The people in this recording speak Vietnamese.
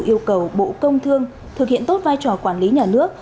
yêu cầu bộ công thương thực hiện tốt vai trò quản lý nhà nước